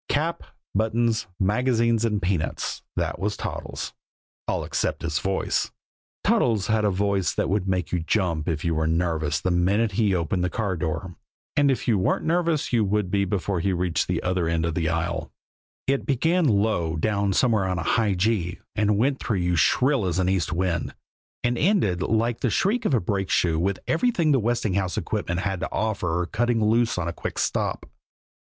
Cap, buttons, magazines and peanuts, that was Toddles all except his voice. Toddles had a voice that would make you jump if you were nervous the minute he opened the car door, and if you weren't nervous you would be before he had reached the other end of the aisle it began low down somewhere on high G and went through you shrill as an east wind, and ended like the shriek of a brake shoe with everything the Westinghouse equipment had to offer cutting loose on a quick stop.